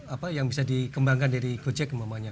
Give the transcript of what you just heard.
apa yang bisa dikembangkan dari gojek umpamanya